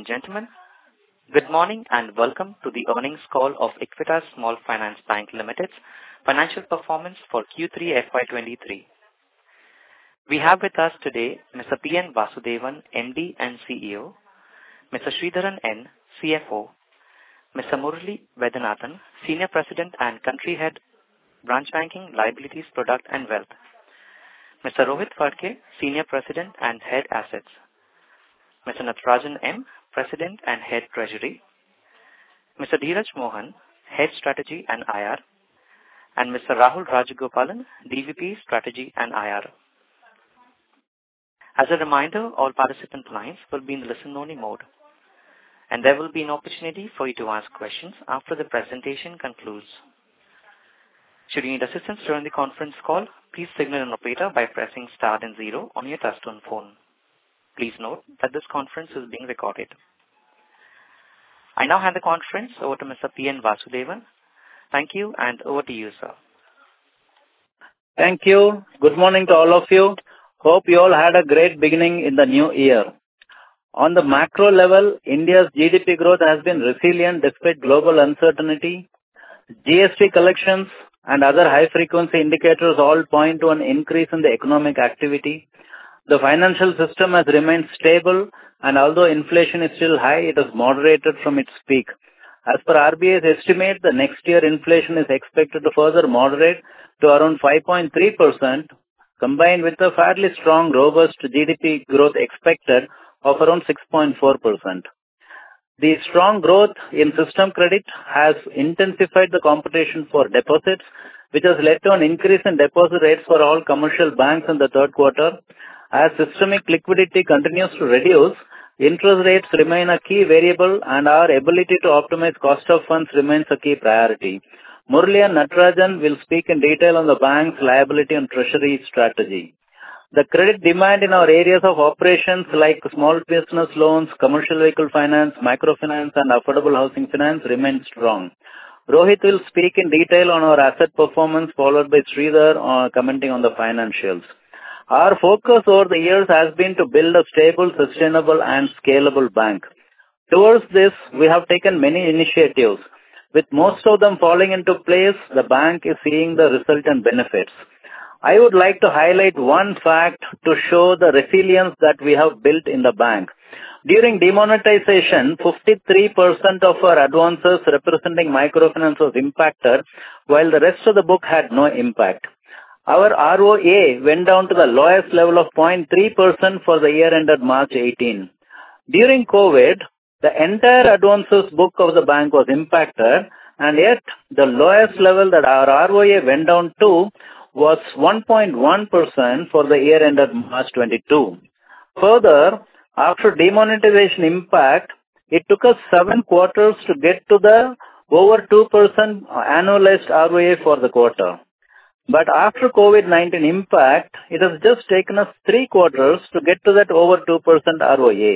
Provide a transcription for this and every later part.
Ladies and gentlemen, good morning and welcome to the earnings call of Equitas Small Finance Bank Limited's financial performance for Q3 FY 2023. We have with us today Mr. P. N. Vasudevan, MD and CEO, Mr. Sridharan N., CFO, Mr. Murali Vaidyanathan, Senior President and Country Head, Branch Banking Liabilities Product and Wealth, Mr. Rohit Phadke, Senior President and Head Assets, Mr. Natarajan M., President and Head Treasury, Mr. Dheeraj Mohan, Head Strategy and IR, and Mr. Rahul Rajagopalan, DVP Strategy and IR. As a reminder, all participant lines will be in listen-only mode, and there will be an opportunity for you to ask questions after the presentation concludes. Should you need assistance during the conference call, please signal an operator by pressing star and zero on your touch-tone phone. Please note that this conference is being recorded. I now hand the conference over to Mr. P. N. Vasudevan. Thank you, and over to you, sir. Thank you. Good morning to all of you. Hope you all had a great beginning in the new year. On the macro level, India's GDP growth has been resilient despite global uncertainty. GST collections and other high-frequency indicators all point to an increase in the economic activity. The financial system has remained stable, and although inflation is still high, it has moderated from its peak. As per RBI's estimate, the next year inflation is expected to further moderate to around 5.3%, combined with a fairly strong, robust GDP growth expected of around 6.4%. The strong growth in system credit has intensified the competition for deposits, which has led to an increase in deposit rates for all commercial banks in the third quarter. As systemic liquidity continues to reduce, interest rates remain a key variable, and our ability to optimize cost of funds remains a key priority. Murali and Natarajan will speak in detail on the bank's liability and treasury strategy. The credit demand in our areas of operations, like small business loans, commercial vehicle finance, microfinance, and affordable housing finance, remains strong. Rohit will speak in detail on our asset performance, followed by Sridharan commenting on the financials. Our focus over the years has been to build a stable, sustainable, and scalable bank. Towards this, we have taken many initiatives. With most of them falling into place, the bank is seeing the resultant benefits. I would like to highlight one fact to show the resilience that we have built in the bank. During demonetization, 53% of our advances representing microfinance was impacted, while the rest of the book had no impact. Our ROA went down to the lowest level of 0.3% for the year ended March 2018. During COVID, the entire advances book of the bank was impacted, and yet the lowest level that our ROA went down to was 1.1% for the year ended March 2022. Further, after demonetization impact, it took us 7 quarters to get to the over 2% annualized ROA for the quarter. But after COVID-19 impact, it has just taken us 3 quarters to get to that over 2% ROA.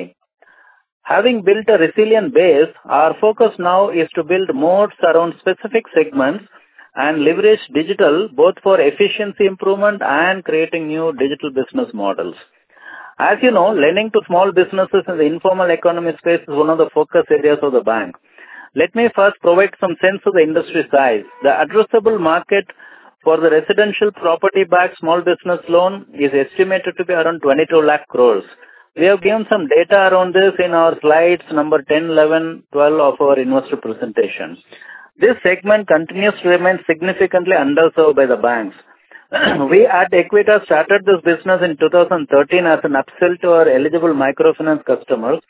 Having built a resilient base, our focus now is to build modes around specific segments and leverage digital, both for efficiency improvement and creating new digital business models. As you know, lending to small businesses in the informal economy space is one of the focus areas of the bank. Let me first provide some sense of the industry size. The addressable market for the residential property-backed small business loan is estimated to be around 2,200,000 crore. We have given some data around this in our slides number 10, 11, 12 of our investor presentations. This segment continues to remain significantly underserved by the banks. We at Equitas started this business in 2013 as an upsell to our eligible microfinance customers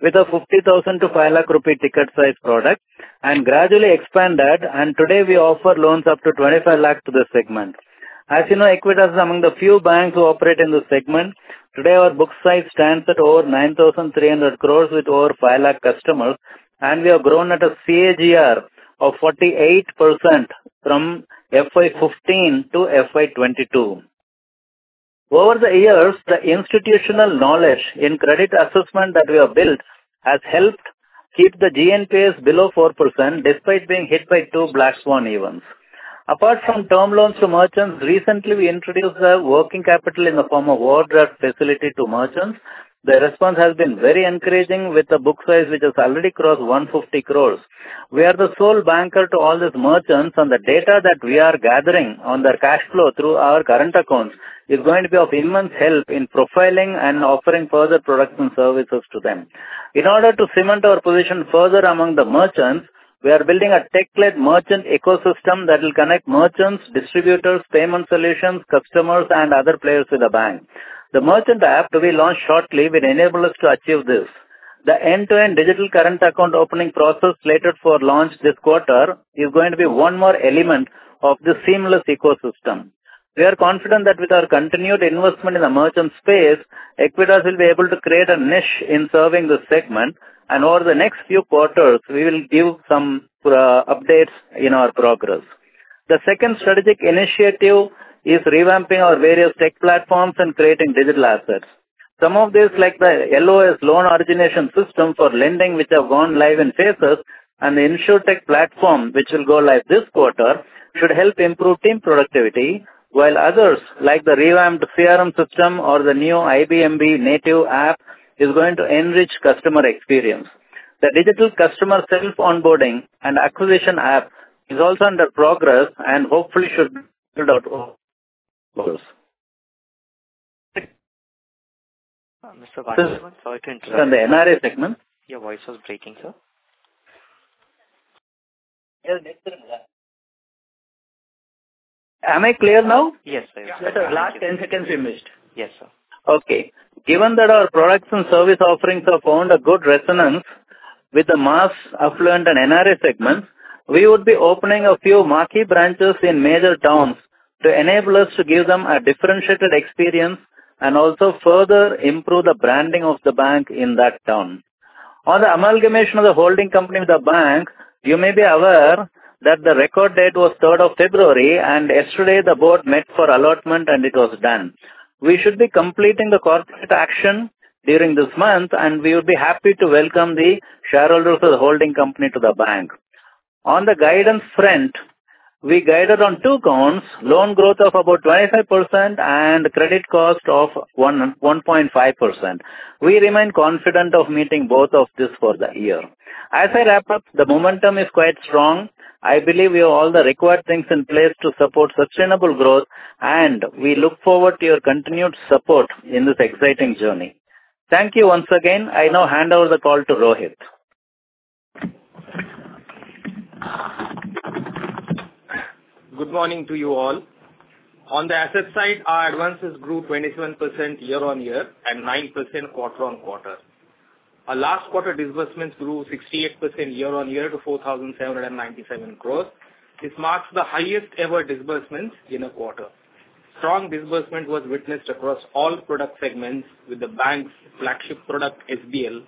with a 50,000-5 lakh rupee ticket-sized product and gradually expanded, and today we offer loans up to 25 lakh to this segment. As you know, Equitas is among the few banks who operate in this segment. Today, our book size stands at over 9,300 crore with over 5 lakh customers, and we have grown at a CAGR of 48% from FY15 to FY 2022. Over the years, the institutional knowledge in credit assessment that we have built has helped keep the GNPAs below 4% despite being hit by two black swan events. Apart from term loans to merchants, recently we introduced a working capital in the form of an overdraft facility to merchants. The response has been very encouraging with a book size which has already crossed 150 crore. We are the sole banker to all these merchants, and the data that we are gathering on their cash flow through our current accounts is going to be of immense help in profiling and offering further products and services to them. In order to cement our position further among the merchants, we are building a tech-led merchant ecosystem that will connect merchants, distributors, payment solutions, customers, and other players in the bank. The merchant app, to be launched shortly, will enable us to achieve this. The end-to-end digital current account opening process slated for launch this quarter is going to be one more element of this seamless ecosystem. We are confident that with our continued investment in the merchant space, Equitas will be able to create a niche in serving this segment, and over the next few quarters, we will give some updates in our progress. The second strategic initiative is revamping our various tech platforms and creating digital assets. Some of these, like the LOS loan origination system for lending, which have gone live in phases, and the InsurTech platform, which will go live this quarter, should help improve team productivity, while others, like the revamped CRM system or the new IB/MB native app, are going to enrich customer experience. The digital customer self-onboarding and acquisition app is also under progress and hopefully should build out over. Mr. Vasudevan, sorry to interrupt. Is it on the NRA segment? Your voice was breaking, sir. Am I clear now? Yes, sir. Last 10 seconds you missed. Yes, sir. Okay. Given that our products and service offerings have found a good resonance with the mass affluent and NRA segments, we would be opening a few marquee branches in major towns to enable us to give them a differentiated experience and also further improve the branding of the bank in that town. On the amalgamation of the holding company with the bank, you may be aware that the record date was 3rd of February, and yesterday the board met for allotment, and it was done. We should be completing the corporate action during this month, and we would be happy to welcome the shareholders of the holding company to the bank. On the guidance front, we guided on two counts: loan growth of about 25% and credit cost of 1.5%. We remain confident of meeting both of these for the year. As I wrap up, the momentum is quite strong. I believe we have all the required things in place to support sustainable growth, and we look forward to your continued support in this exciting journey. Thank you once again. I now hand over the call to Rohit. Good morning to you all. On the asset side, our advances grew 27% year-on-year and 9% quarter-on-quarter. Our last quarter disbursements grew 68% year-on-year to 4,797 crore. This marks the highest-ever disbursements in a quarter. Strong disbursement was witnessed across all product segments, with the bank's flagship product, SBL,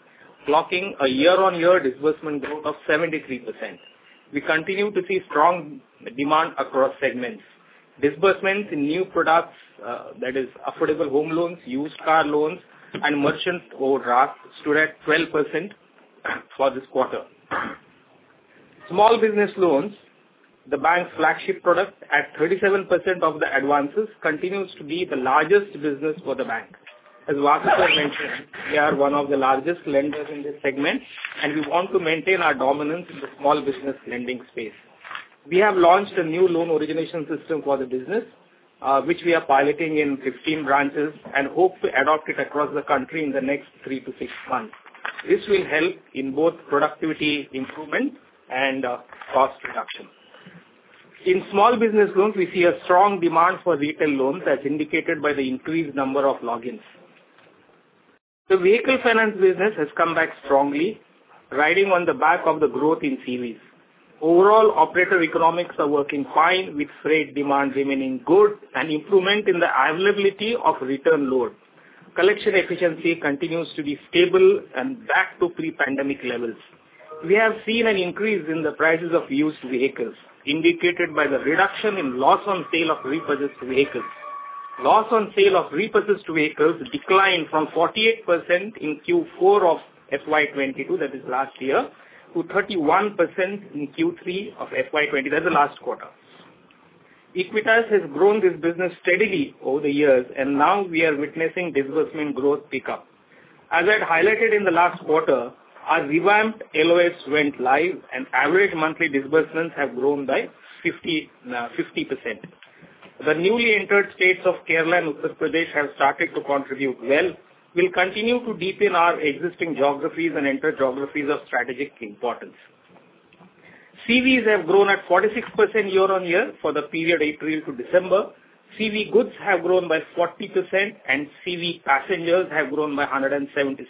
clocking a year-on-year disbursement growth of 73%. We continue to see strong demand across segments. Disbursements in new products, that is, affordable home loans, used car loans, and merchant overdrafts stood at 12% for this quarter. Small business loans, the bank's flagship product, at 37% of the advances, continues to be the largest business for the bank. As Vasudevan mentioned, we are one of the largest lenders in this segment, and we want to maintain our dominance in the small business lending space. We have launched a new loan origination system for the business, which we are piloting in 15 branches, and hope to adopt it across the country in the next 3-6 months. This will help in both productivity improvement and cost reduction. In small business loans, we see a strong demand for retail loans, as indicated by the increased number of logins. The vehicle finance business has come back strongly, riding on the back of the growth in CVs. Overall, operator economics are working fine, with freight demand remaining good and improvement in the availability of return load. Collection efficiency continues to be stable and back to pre-pandemic levels. We have seen an increase in the prices of used vehicles, indicated by the reduction in loss on sale of repurchased vehicles. Loss on sale of repurchased vehicles declined from 48% in Q4 of FY 2022, that is, last year, to 31% in Q3 of FY20, that is, the last quarter. Equitas has grown this business steadily over the years, and now we are witnessing disbursement growth pick up. As I had highlighted in the last quarter, our revamped LOS went live, and average monthly disbursements have grown by 50%. The newly entered states of Kerala and Uttar Pradesh have started to contribute well, will continue to deepen our existing geographies and enter geographies of strategic importance. CVs have grown at 46% year-on-year for the period April to December. CV goods have grown by 40%, and CV passengers have grown by 177%.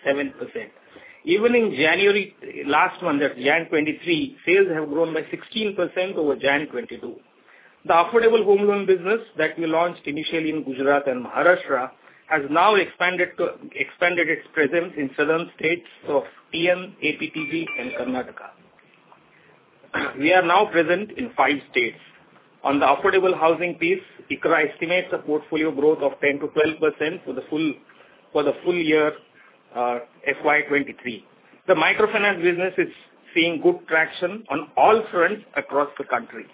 Even in January last month, that is, January 2023, sales have grown by 16% over January 2022. The affordable home loan business that we launched initially in Gujarat and Maharashtra has now expanded its presence in southern states of TN, AP, TG, and Karnataka. We are now present in five states. On the affordable housing piece, ICRA estimates a portfolio growth of 10%-12% for the full year FY 2023. The microfinance business is seeing good traction on all fronts across the country.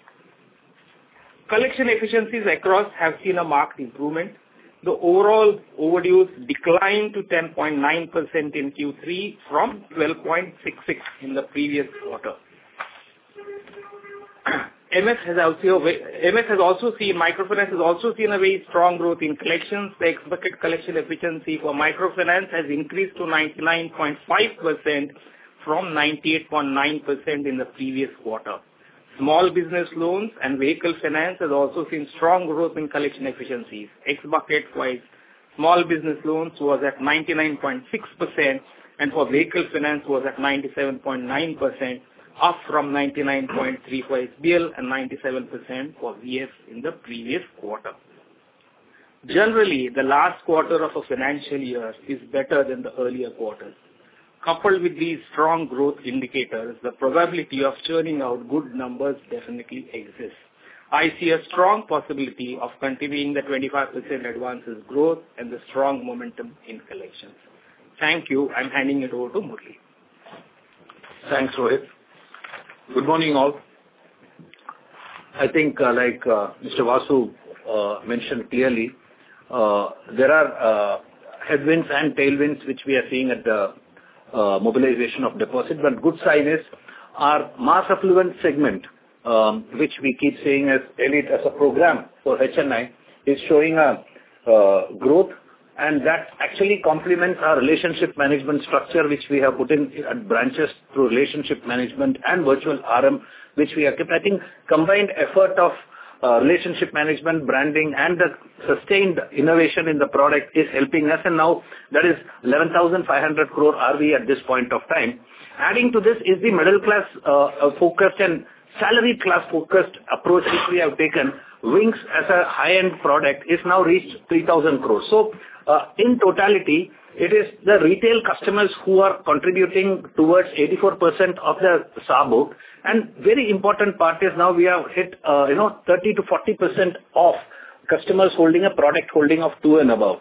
Collection efficiencies across have seen a marked improvement. The overall overdue declined to 10.9% in Q3 from 12.66% in the previous quarter. MF has also seen a very strong growth in collections. The explicit collection efficiency for microfinance has increased to 99.5% from 98.9% in the previous quarter. Small business loans and vehicle finance have also seen strong growth in collection efficiencies. Explicit-wise, small business loans were at 99.6%, and for vehicle finance, it was at 97.9%, up from 99.3% for SBL and 97% for VF in the previous quarter. Generally, the last quarter of a financial year is better than the earlier quarters. Coupled with these strong growth indicators, the probability of churning out good numbers definitely exists. I see a strong possibility of continuing the 25% advances growth and the strong momentum in collections. Thank you. I'm handing it over to Murali. Thanks, Rohit. Good morning all. I think, like Mr. Vasudevan mentioned clearly, there are headwinds and tailwinds which we are seeing at the mobilization of deposits. But the good sign is our mass affluent segment, which we keep seeing as Elite as a program for HNI, is showing growth, and that actually complements our relationship management structure, which we have put in branches through relationship management and virtual RM, which we are keeping. I think combined effort of relationship management, branding, and the sustained innovation in the product is helping us, and now that is 11,500 crore RV at this point of time. Adding to this is the middle-class focused and salary-class focused approach which we have taken. Wings, as a high-end product, has now reached 3,000 crores. So in totality, it is the retail customers who are contributing towards 84% of the SA book, and a very important part is now we have hit 30%-40% of customers holding a product holding of two and above.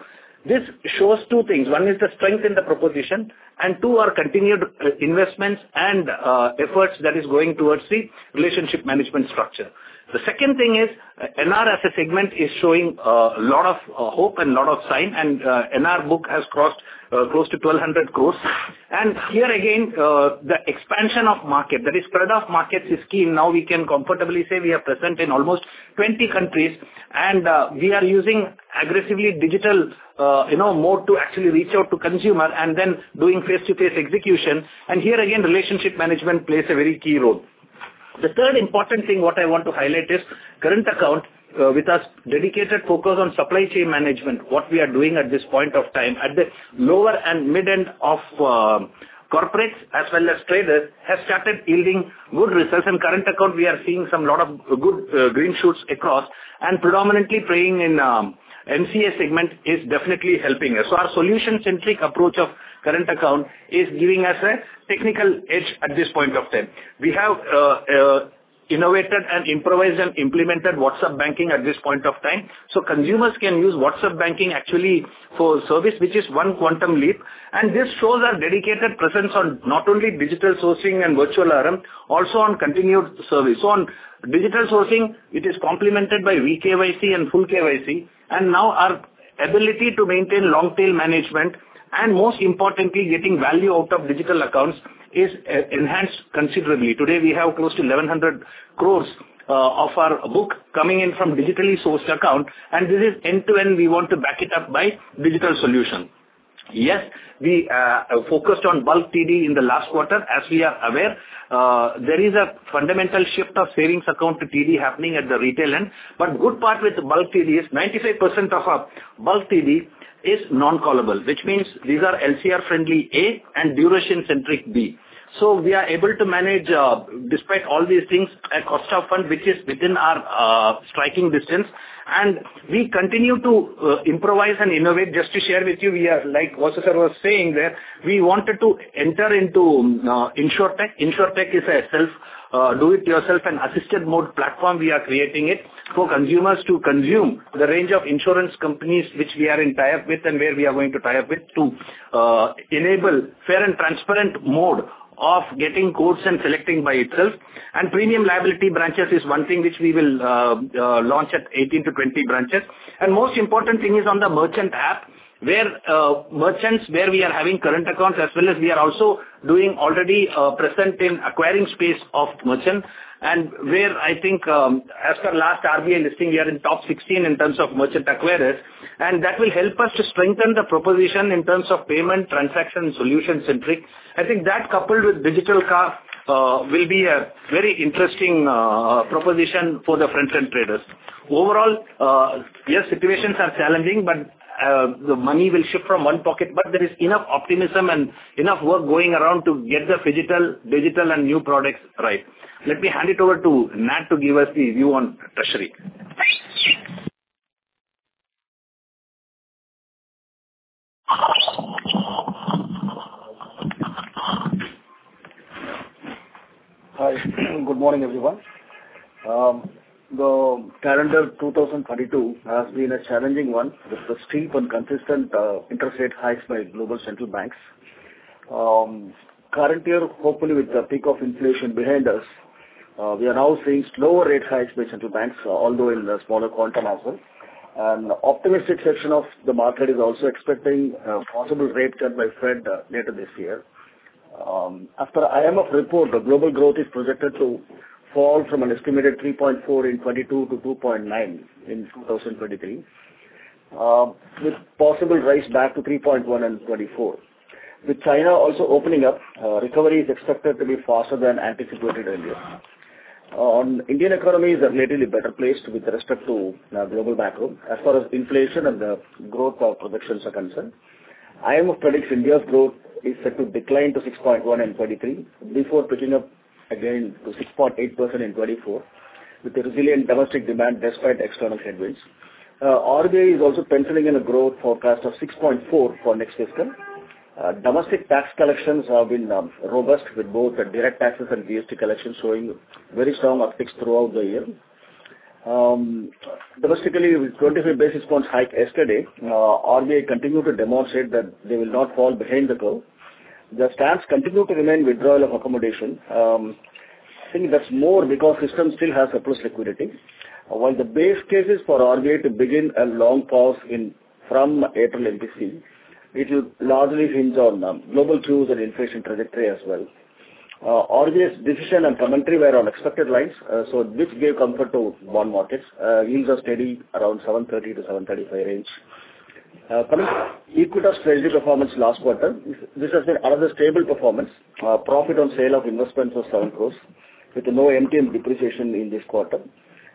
This shows two things. One is the strength in the proposition, and two, our continued investments and efforts that are going towards the relationship management structure. The second thing is NR as a segment is showing a lot of hope and a lot of sign, and NR book has crossed close to 1,200 crore. And here again, the expansion of market, that is, spread-of-market scheme, now we can comfortably say we are present in almost 20 countries, and we are using aggressively digital mode to actually reach out to consumers and then doing face-to-face execution. And here again, relationship management plays a very key role. The third important thing what I want to highlight is current account with a dedicated focus on supply chain management. What we are doing at this point of time, at the lower and mid-end of corporates as well as traders, has started yielding good results, and current account, we are seeing some lot of good green shoots across, and predominantly playing in MCA segment is definitely helping us. So our solution-centric approach of current account is giving us a technical edge at this point of time. We have innovated and improvised and implemented WhatsApp banking at this point of time, so consumers can use WhatsApp banking actually for service, which is one quantum leap, and this shows our dedicated presence on not only digital sourcing and virtual RM, also on continued service. So on digital sourcing, it is complemented by vKYC and full KYC, and now our ability to maintain long-tail management, and most importantly, getting value out of digital accounts is enhanced considerably. Today, we have close to 1,100 crore of our book coming in from digitally sourced accounts, and this is end-to-end. We want to back it up by digital solutions. Yes, we focused on bulk TD in the last quarter. As we are aware, there is a fundamental shift of savings account to TD happening at the retail end, but the good part with bulk TD is 95% of our bulk TD is non-callable, which means these are LCR-friendly A and duration-centric B. So we are able to manage, despite all these things, a cost of fund which is within our striking distance, and we continue to improvise and innovate. Just to share with you, like Vasudevan was saying there, we wanted to enter into InsureTech. InsureTech is a self-do-it-yourself and assisted mode platform we are creating for consumers to consume the range of insurance companies which we are in tie-up with and where we are going to tie-up with to enable fair and transparent mode of getting quotes and selecting by itself. Premium liability branches is one thing which we will launch at 18-20 branches. The most important thing is on the merchant app, where we are having current accounts, as well as we are also already present in acquiring space of merchant, and where I think, as per last RBI listing, we are in top 16 in terms of merchant acquirers, and that will help us to strengthen the proposition in terms of payment transaction solution-centric. I think that, coupled with digital core, will be a very interesting proposition for the front-end traders. Overall, yes, situations are challenging, but the money will shift from one pocket, but there is enough optimism and enough work going around to get the digital and new products right. Let me hand it over to Nat to give us the view on treasury. Hi. Good morning, everyone. The calendar 2022 has been a challenging one with the steep and consistent interest rate hikes by global central banks. Current year, hopefully, with the peak of inflation behind us, we are now seeing slower rate hikes by central banks, although in the smaller quantum as well. And the optimistic section of the market is also expecting a possible rate cut by Fed later this year. As per IMF report, the global growth is projected to fall from an estimated 3.4% in 2022 to 2.9% in 2023, with possible rise back to 3.1% in 2024. With China also opening up, recovery is expected to be faster than anticipated earlier. On the Indian economy, it is a relatively better place with respect to the global background. As far as inflation and the growth of projections are concerned, IMF predicts India's growth is set to decline to 6.1% in 2023 before picking up again to 6.8% in 2024 with the resilient domestic demand despite external headwinds. RBI is also penciling in a growth forecast of 6.4% for next fiscal. Domestic tax collections have been robust, with both direct taxes and GST collections showing very strong upticks throughout the year. Domestically, with a 25 basis points hike yesterday, RBI continued to demonstrate that they will not fall behind the curve. The stance continued to remain withdrawal of accommodation. I think that's more because the system still has surplus liquidity. While the base case is for RBI to begin a long pause from April MPC, it will largely hinge on global trends and inflation trajectory as well. RBI's decision and commentary were on expected lines, so which gave comfort to bond markets. Yields are steady around 730-735 range. Coming to Equitas Treasury performance last quarter, this has been another stable performance. Profit on sale of investments was 7 crore with no MTM depreciation in this quarter.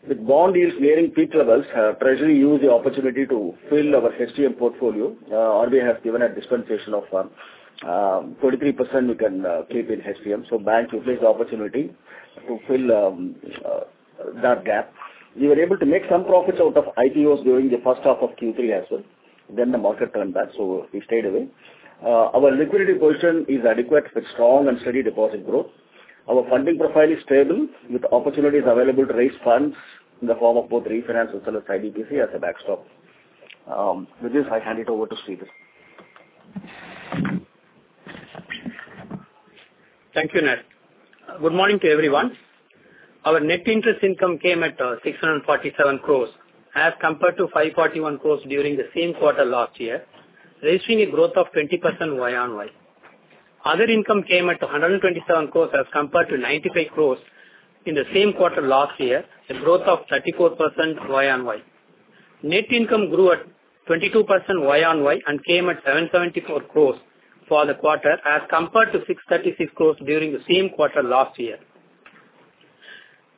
With bond yields nearing peak levels, treasury used the opportunity to fill our HTM portfolio. RBI has given a dispensation of 23% we can keep in HTM, so banks utilized the opportunity to fill that gap. We were able to make some profits out of IPOs during the first half of Q3 as well. Then the market turned back, so we stayed away. Our liquidity position is adequate with strong and steady deposit growth. Our funding profile is stable with opportunities available to raise funds in the form of both refinance as well as IBPC as a backstop. With this, I hand it over to Sridharan. Thank you, Nat. Good morning to everyone. Our net interest income came at 647 crores as compared to 541 crores during the same quarter last year, registering a growth of 20% year-on-year. Other income came at 127 crores as compared to 95 crores in the same quarter last year, a growth of 34% year-on-year. Net income grew at 22% year-on-year and came at 774 crores for the quarter as compared to 636 crores during the same quarter last year.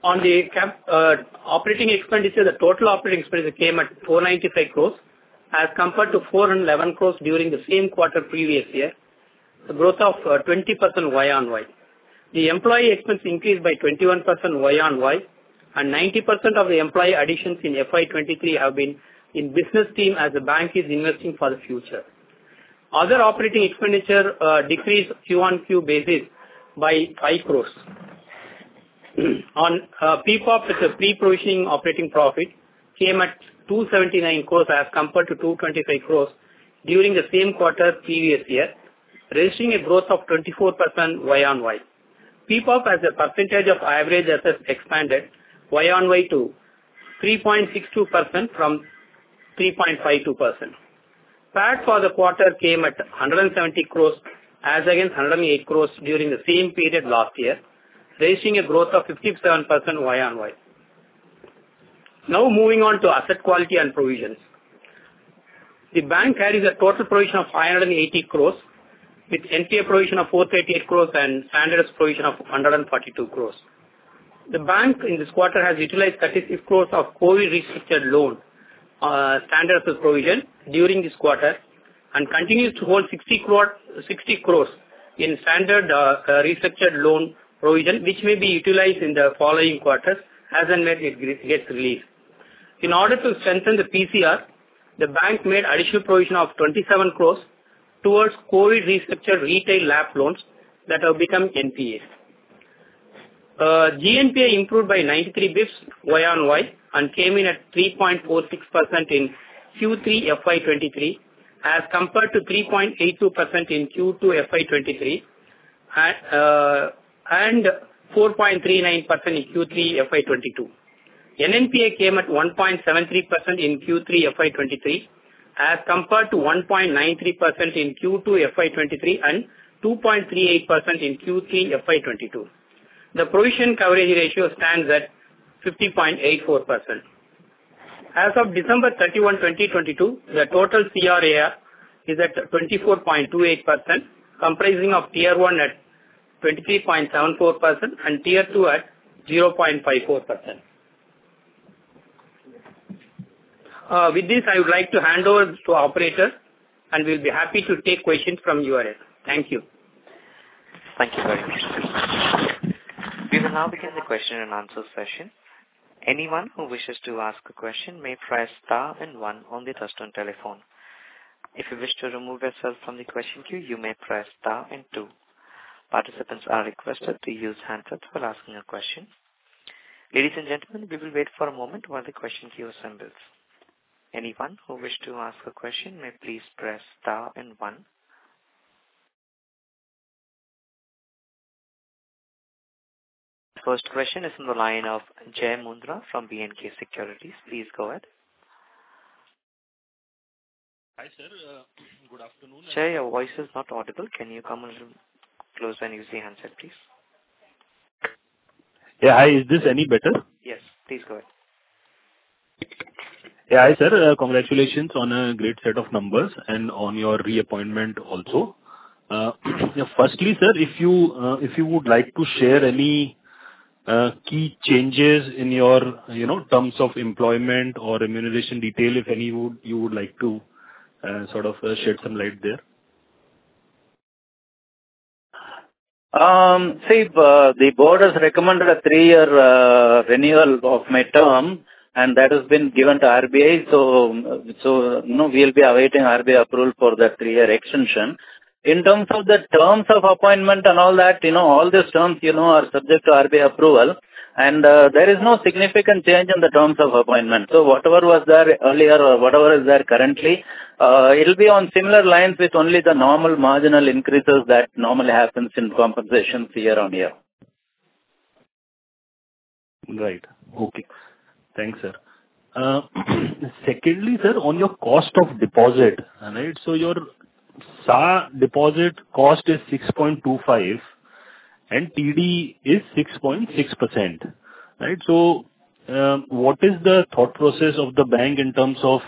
On the operating expenditure, the total operating expenditure came at 495 crores as compared to 411 crores during the same quarter previous year, a growth of 20% year-on-year. The employee expense increased by 21% year-on-year, and 90% of the employee additions in FY 2023 have been in the business team as the bank is investing for the future. Other operating expenditure decreased Q on Q basis by 5 crores. On PPOP, which is pre-provision operating profit, came at 279 crores as compared to 225 crores during the same quarter previous year, registering a growth of 24% year-on-year. PPOP, as a percentage of average assets, expanded year-on-year to 3.62% from 3.52%. PAT for the quarter came at 170 crores as against 108 crores during the same period last year, registering a growth of 57% year-on-year. Now moving on to asset quality and provisions. The bank carries a total provision of 580 crores with NPA provision of 438 crores and Standard Assets provision of 142 crores. The bank in this quarter has utilized 36 crores of COVID restructured loan Standard Assets provision during this quarter and continues to hold 60 crores in Standard restructured loan provision, which may be utilized in the following quarters as and when it gets released. In order to strengthen the PCR, the bank made additional provision of 27 crore towards COVID restructured retail LAP loans that have become NPAs. GNPA improved by 93 basis points year-on-year and came in at 3.46% in Q3 FY 2023 as compared to 3.82% in Q2 FY 2023 and 4.39% in Q3 FY 2022. NNPA came at 1.73% in Q3 FY 2023 as compared to 1.93% in Q2 FY 2023 and 2.38% in Q3 FY 2022. The provision coverage ratio stands at 50.84%. As of December 31, 2022, the total CRAR is at 24.28%, comprising of Tier 1 at 23.74% and Tier 2 at 0.54%. With this, I would like to hand over to operators, and we'll be happy to take questions from you all. Thank you. Thank you very much. We will now begin the question-and-answer session. Anyone who wishes to ask a question may press star and one on the touchscreen telephone. If you wish to remove yourself from the question queue, you may press star and two. Participants are requested to use hands up for asking a question. Ladies and gentlemen, we will wait for a moment while the question queue assembles. Anyone who wishes to ask a question may please press star and one. The first question is from the line of Jay Mundra from B&K Securities. Please go ahead. Hi, sir. Good afternoon. Jay, your voice is not audible. Can you come a little closer and use the handset, please? Yeah. Hi. Is this any better? Yes. Please go ahead. Yeah. Hi, sir. Congratulations on a great set of numbers and on your reappointment also. Firstly, sir, if you would like to share any key changes in your terms of employment or remuneration detail, if any you would like to sort of shed some light there. See, the board has recommended a three-year renewal of my term, and that has been given to RBI, so we'll be awaiting RBI approval for that three-year extension. In terms of the terms of appointment and all that, all these terms are subject to RBI approval, and there is no significant change in the terms of appointment. So whatever was there earlier or whatever is there currently, it'll be on similar lines with only the normal marginal increases that normally happens in compensations year-on-year. Right. Okay. Thanks, sir. Secondly, sir, on your cost of deposit, right, so your CASA deposit cost is 6.25% and TD is 6.6%, right? So what is the thought process of the bank in terms of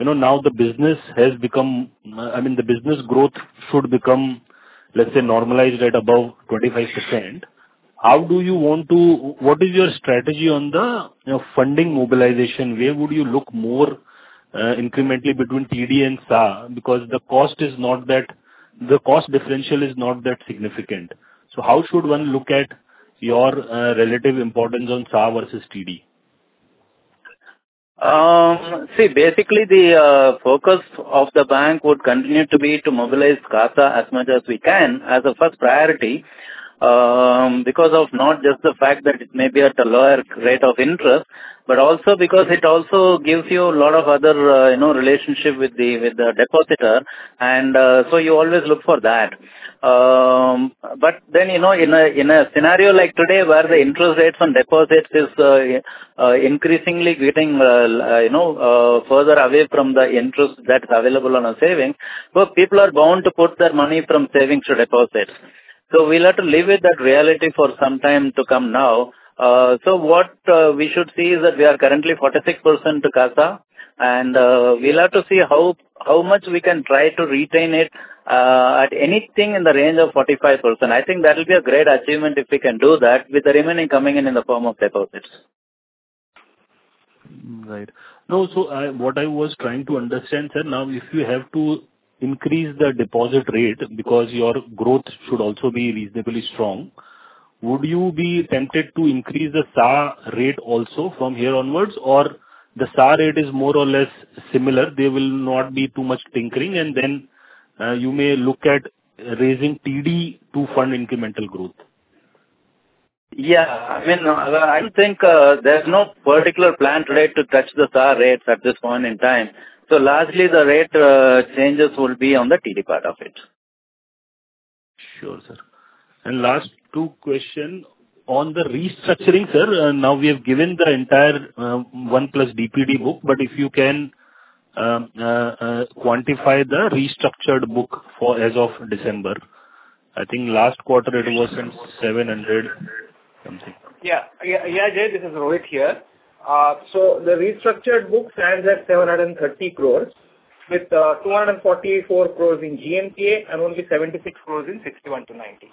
now the business has become I mean, the business growth should become, let's say, normalized at above 25%. How do you want to what is your strategy on the funding mobilization? Where would you look more incrementally between TD and CASA because the cost is not that the cost differential is not that significant? So how should one look at your relative importance on CASA versus TD? See, basically, the focus of the bank would continue to be to mobilize CASA as much as we can as a first priority because of not just the fact that it may be at a lower rate of interest, but also because it also gives you a lot of other relationship with the depositor, and so you always look for that. But then in a scenario like today where the interest rates on deposits are increasingly getting further away from the interest that's available on a saving, well, people are bound to put their money from savings to deposits. So we'll have to live with that reality for some time to come now. So what we should see is that we are currently 46% to CASA, and we'll have to see how much we can try to retain it at anything in the range of 45%. I think that'll be a great achievement if we can do that with the remaining coming in in the form of deposits. Right. No, so what I was trying to understand, sir, now if you have to increase the deposit rate because your growth should also be reasonably strong, would you be tempted to increase the SA rate also from here onwards, or the SA rate is more or less similar, they will not be too much tinkering, and then you may look at raising TD to fund incremental growth? Yeah. I mean, I don't think there's no particular plan today to touch the SA rates at this point in time. So largely, the rate changes will be on the TD part of it. Sure, sir. And last two questions. On the restructuring, sir, now we have given the entire 1+ DPD book, but if you can quantify the restructured book as of December? I think last quarter, it was in 700 something. Yeah. Yeah, Jay, this is Rohit here. So the restructured book stands at 730 crore with 244 crore in GNPA and only 76 crore in 61 to 90.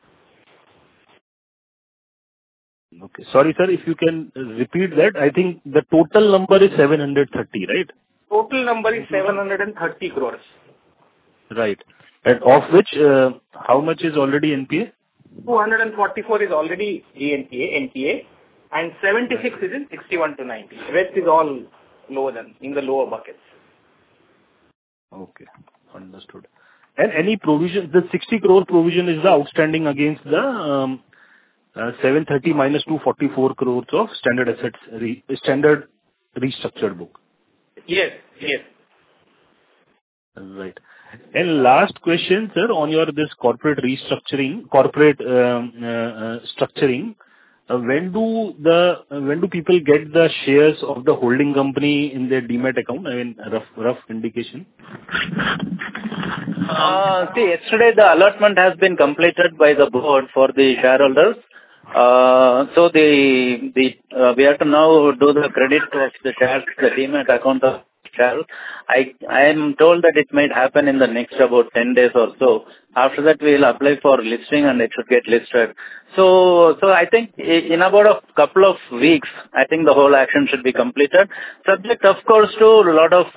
Okay. Sorry, sir, if you can repeat that. I think the total number is 730, right? Total number is 730 crore. Right. And of which, how much is already NPA? 244 is already NPA, and 76 is in 61-90. The rest is all lower than in the lower buckets. Okay. Understood. And any provision the 60 crore provision is outstanding against the 730 crore minus 244 crore of standard assets standard restructured book? Yes. Yes. Right. And last question, sir, on this corporate restructuring when do people get the shares of the holding company in their demat account? I mean, rough indication. See, yesterday, the allotment has been completed by the board for the shareholders. So we have to now do the credit of the shares to the Demat account of shareholders. I am told that it might happen in the next about 10 days or so. After that, we'll apply for listing, and it should get listed. So I think in about a couple of weeks, I think the whole action should be completed, subject, of course, to a lot of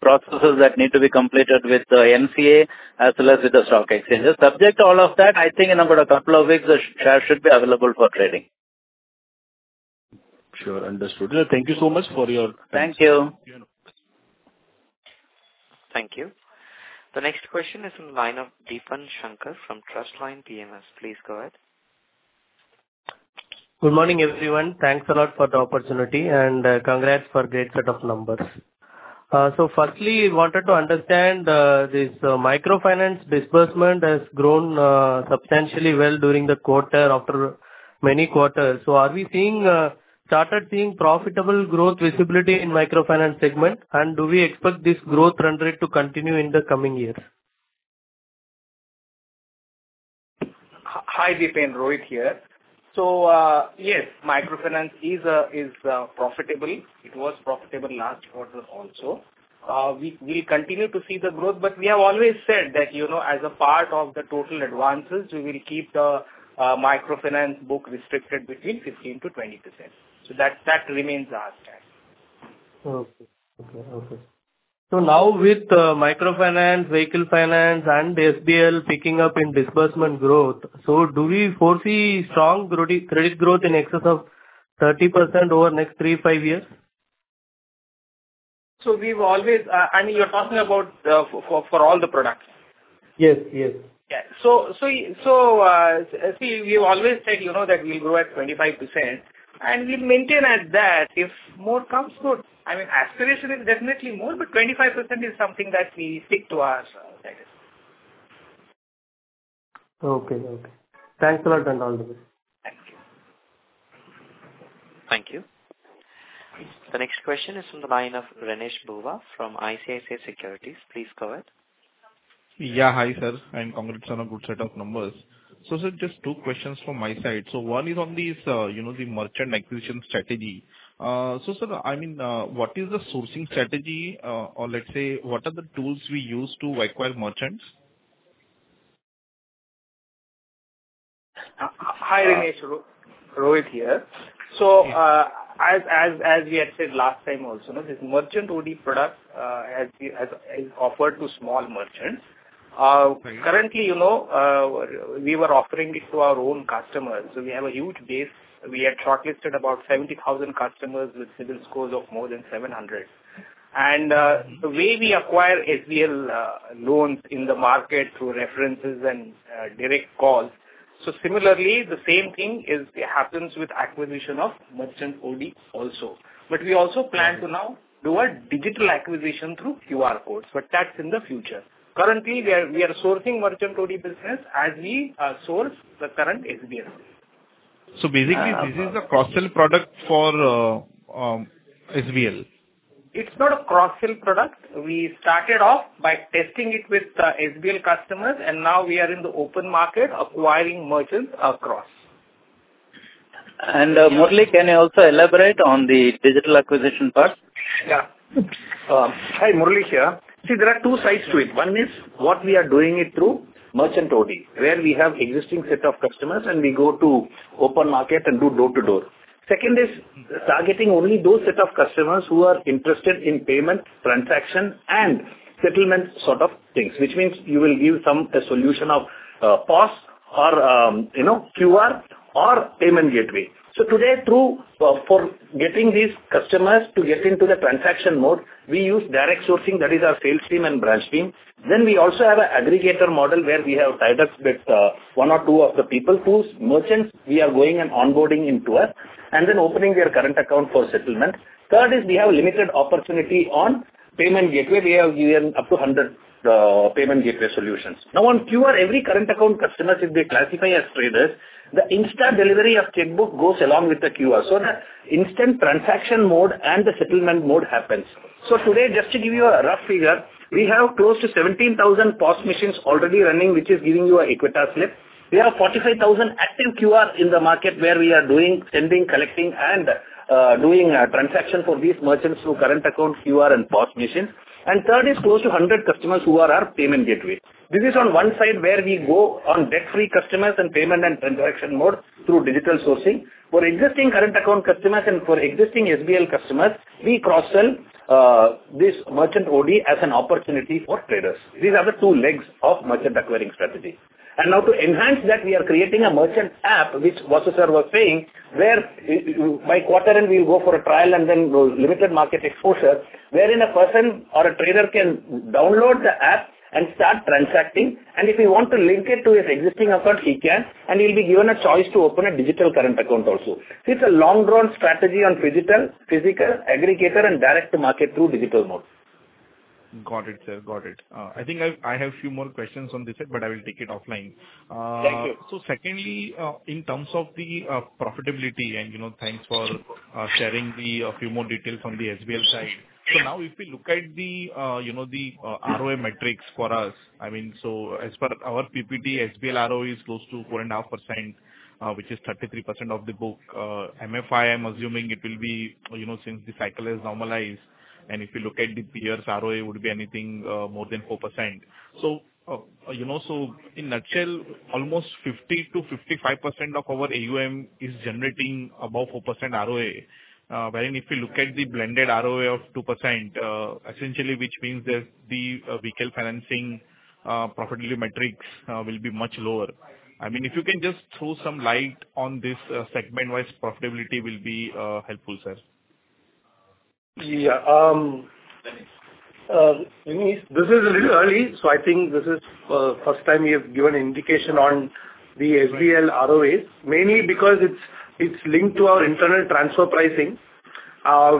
processes that need to be completed with the NCA as well as with the stock exchanges. Subject to all of that, I think in about a couple of weeks, the shares should be available for trading. Sure. Understood. Thank you so much for your time. Thank you. Thank you. The next question is from the line of Deepan Shankar from Trustline PMS. Please go ahead. Good morning, everyone. Thanks a lot for the opportunity, and congrats for a great set of numbers. Firstly, I wanted to understand this microfinance disbursement has grown substantially well during the quarter after many quarters. Are we started seeing profitable growth visibility in the microfinance segment, and do we expect this growth trend rate to continue in the coming years? Hi, Deepan. Rohit here. So yes, microfinance is profitable. It was profitable last quarter also. We'll continue to see the growth, but we have always said that as a part of the total advances, we will keep the microfinance book restricted between 15%-20%. So that remains our stance. Now with microfinance, vehicle finance, and SBL picking up in disbursement growth, so do we foresee strong credit growth in excess of 30% over the next 3-5 years? We've always I mean, you're talking about for all the products? Yes. Yes. Yeah. So see, we've always said that we'll grow at 25%, and we'll maintain at that if more comes through. I mean, aspiration is definitely more, but 25% is something that we stick to our status. Okay. Okay. Thanks a lot on all this. Thank you. Thank you. The next question is from the line of Renish Bhuva from ICICI Securities. Please go ahead. Yeah. Hi, sir. Congrats on a good set of numbers. Sir, just two questions from my side. One is on the merchant acquisition strategy. Sir, I mean, what is the sourcing strategy, or let's say, what are the tools we use to acquire merchants? Hi, Ranesh. Rohit here. So as we had said last time also, this merchant OD product is offered to small merchants. Currently, we were offering it to our own customers. So we have a huge base. We had shortlisted about 70,000 customers with CIBIL scores of more than 700. And the way we acquire SBL loans in the market through references and direct calls, so similarly, the same thing happens with acquisition of merchant OD also. But we also plan to now do a digital acquisition through QR codes, but that's in the future. Currently, we are sourcing merchant OD business as we source the current SBL. Basically, this is a cross-sell product for SBL? It's not a cross-sell product. We started off by testing it with the SBL customers, and now we are in the open market acquiring merchants across. Murali, can you also elaborate on the digital acquisition part? Yeah. Hi, Murali here. See, there are two sides to it. One is what we are doing it through merchant OD where we have an existing set of customers, and we go to open market and do door-to-door. Second is targeting only those set of customers who are interested in payment transaction and settlement sort of things, which means you will give some solution of POS or QR or payment gateway. So today, for getting these customers to get into the transaction mode, we use direct sourcing. That is our sales team and branch team. Then we also have an aggregator model where we have tied up with one or two of the people to merchants. We are going and onboarding into us and then opening their current account for settlement. Third is we have limited opportunity on payment gateway. We have given up to 100 payment gateway solutions. Now, on QR, every current account customer, if they classify as traders, the instant delivery of checkbook goes along with the QR. So the instant transaction mode and the settlement mode happens. So today, just to give you a rough figure, we have close to 17,000 POS machines already running, which is giving you an Equitas slip. We have 45,000 active QR in the market where we are doing sending, collecting, and doing transaction for these merchants through current account QR and POS machines. And third is close to 100 customers who are our payment gateway. This is on one side where we go on debt-free customers and payment and transaction mode through digital sourcing. For existing current account customers and for existing SBL customers, we cross-sell this merchant OD as an opportunity for traders. These are the two legs of merchant acquiring strategy. And now, to enhance that, we are creating a merchant app, which, sir, we're saying whereby quarter, we'll go for a trial and then limited market exposure wherein a person or a trader can download the app and start transacting. And if he wants to link it to his existing account, he can, and he'll be given a choice to open a digital current account also. See, it's a long-run strategy on physical, aggregator, and direct-to-market through digital mode. Got it, sir. Got it. I think I have a few more questions on this side, but I will take it offline. Thank you. So secondly, in terms of the profitability, and thanks for sharing a few more details on the SBL side. So now, if we look at the ROA metrics for us, I mean, so as per our PPT, SBL ROA is close to 4.5%, which is 33% of the book. MFI, I'm assuming it will be since the cycle has normalized, and if you look at the PRS ROA, it would be anything more than 4%. So in a nutshell, almost 50%-55% of our AUM is generating above 4% ROA, wherein if you look at the blended ROA of 2%, essentially, which means that the vehicle financing profitability metrics will be much lower. I mean, if you can just throw some light on this segment-wise profitability, it will be helpful, sir. Yeah. Renish, this is a little early, so I think this is the first time we have given an indication on the SBL ROAs, mainly because it's linked to our internal transfer pricing,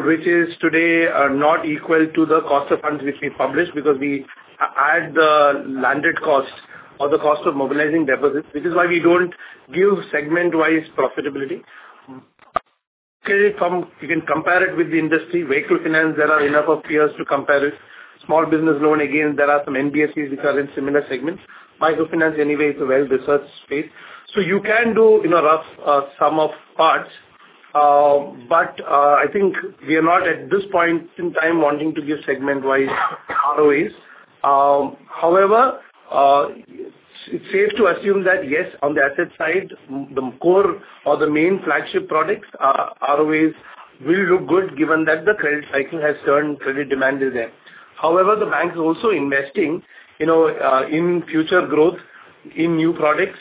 which is today not equal to the cost of funds which we publish because we add the landed cost or the cost of mobilizing deposits, which is why we don't give segment-wise profitability. You can compare it with the industry. Vehicle finance, there are enough of peers to compare it. Small business loan, again, there are some NBFCs which are in similar segments. Microfinance, anyway, is a well-researched space. So you can do a rough sum of parts, but I think we are not at this point in time wanting to give segment-wise ROAs. However, it's safe to assume that, yes, on the asset side, the core or the main flagship products, ROAs will look good given that the credit cycle has turned, credit demand is there. However, the bank is also investing in future growth in new products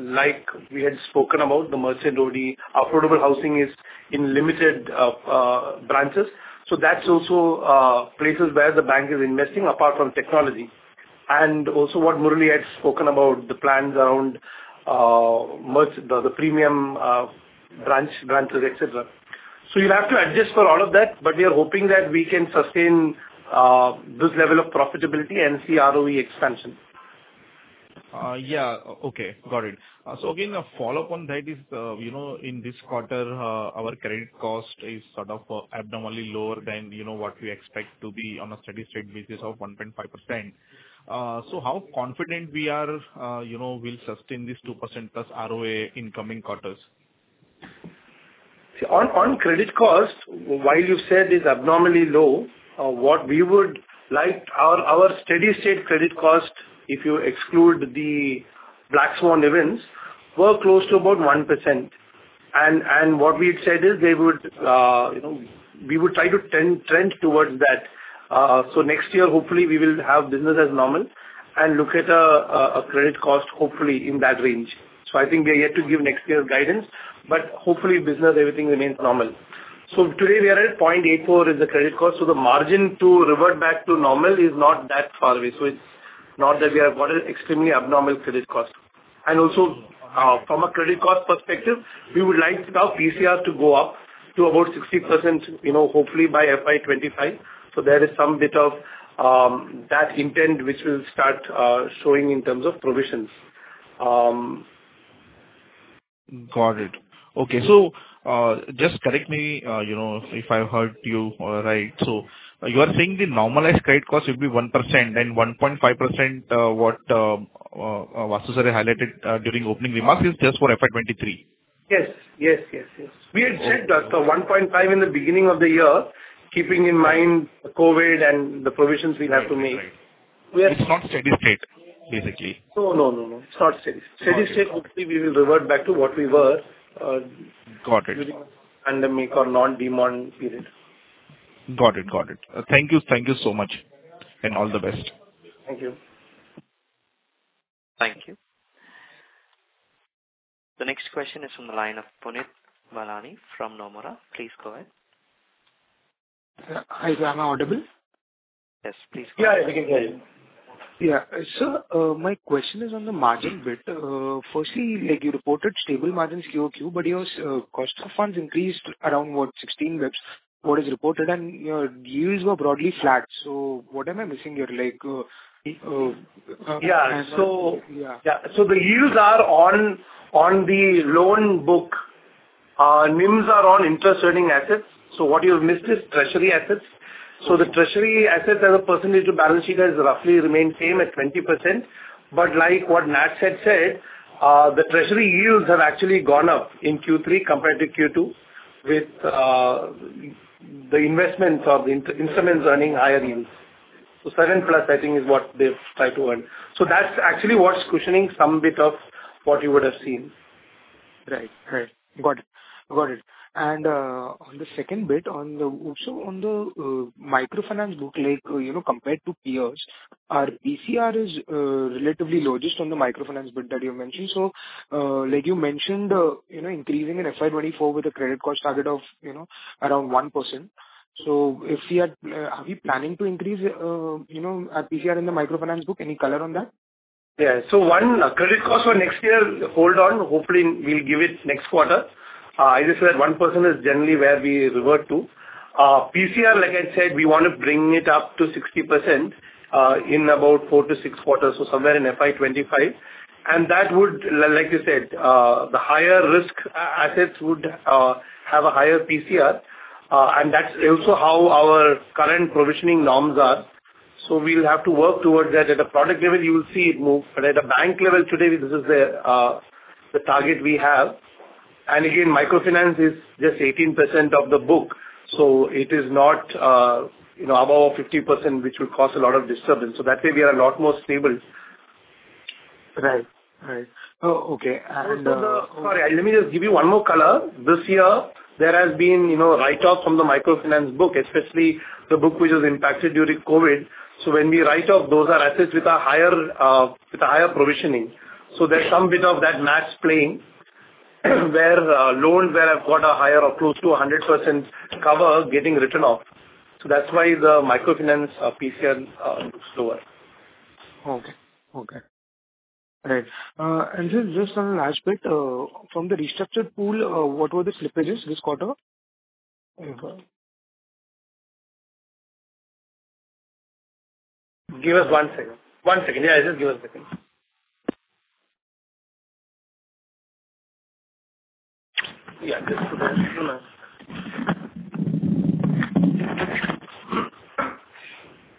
like we had spoken about, the merchant OD. Affordable housing is in limited branches. So that's also places where the bank is investing apart from technology. And also what Murali had spoken about, the plans around the premium branches, etc. So you'll have to adjust for all of that, but we are hoping that we can sustain this level of profitability and see ROE expansion. Yeah. Okay. Got it. So again, a follow-up on that is in this quarter, our credit cost is sort of abnormally lower than what we expect to be on a steady straight basis of 1.5%. So how confident we are we'll sustain this 2% plus ROA in coming quarters? See, on credit cost, while you said it's abnormally low, what we would like our steady-state credit cost, if you exclude the Black Swan events, were close to about 1%. And what we had said is we would try to trend towards that. So next year, hopefully, we will have business as normal and look at a credit cost, hopefully, in that range. So I think we are yet to give next year's guidance, but hopefully, business, everything remains normal. So today, we are at 0.84% is the credit cost. So the margin to revert back to normal is not that far away. So it's not that we have got an extremely abnormal credit cost. And also from a credit cost perspective, we would like our PCR to go up to about 60%, hopefully, by FY 2025. There is some bit of that intent which will start showing in terms of provisions. Got it. Okay. So just correct me if I heard you right. So you are saying the normalized credit cost would be 1%, then 1.5%. What Vasu sir highlighted during opening remarks is just for FY 2023? Yes. Yes. Yes. Yes. We had said 1.5 in the beginning of the year, keeping in mind COVID and the provisions we'll have to make. It's not steady straight, basically. No, no, no, no. It's not steady state. Steady state, hopefully, we will revert back to what we were during the pandemic or non-demonetization period. Got it. Got it. Thank you. Thank you so much, and all the best. Thank you. Thank you. The next question is from the line of Punit Balani from Nomura. Please go ahead. Hi, sir. Am I audible? Yes. Please go ahead. Yeah. We can hear you. Yeah. Sir, my question is on the margin bit. Firstly, you reported stable margins QOQ, but your cost of funds increased around 16 basis points, as reported, and your yields were broadly flat. What am I missing here? Yeah. So yeah. So the yields are on the loan book. NIMs are on interest-earning assets. So what you've missed is treasury assets. So the treasury assets, as a percentage of balance sheet, has roughly remained same at 20%. But like what Natarajan said, the treasury yields have actually gone up in Q3 compared to Q2 with the investments or the instruments earning higher yields. So 7+, I think, is what they've tried to earn. So that's actually what's cushioning some bit of what you would have seen. Right. Right. Got it. Got it. And on the second bit, also on the microfinance book compared to peers, our PCR is relatively low just on the microfinance bit that you mentioned. So you mentioned increasing in FY 2024 with a credit cost target of around 1%. So are we planning to increase our PCR in the microfinance book? Any color on that? Yeah. So one, credit cost for next year, hold on. Hopefully, we'll give it next quarter. As I said, 1% is generally where we revert to. PCR, like I said, we want to bring it up to 60% in about four-six quarters, so somewhere in FY 2025. And that would, like you said, the higher-risk assets would have a higher PCR. And that's also how our current provisioning norms are. So we'll have to work towards that. At a product level, you will see it move. But at a bank level today, this is the target we have. And again, microfinance is just 18% of the book. So it is not above 50%, which would cause a lot of disturbance. So that way, we are a lot more stable. Right. Right. Okay. And. Also, sorry. Let me just give you one more color. This year, there has been write-off from the microfinance book, especially the book which was impacted during COVID. So when we write off, those are assets with a higher provisioning. So there's some bit of that math playing where loans where I've got a higher or close to 100% cover getting written off. So that's why the microfinance PCR looks lower. Okay. Okay. Right. And just one last bit. From the restructured pool, what were the slippages this quarter? Give us one second. Yeah. Just give us a second.